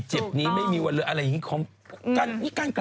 จีบนี้ไม่มีเวลาอะไรอย่างงี้ส์ความรัก